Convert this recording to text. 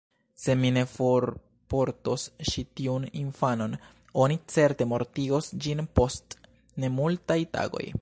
Se mi ne forportos ĉi tiun infanon, oni certe mortigos ĝin post nemultaj tagoj.